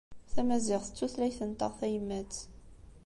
Tamaziɣt d tutlayt-nteɣ tayemmat.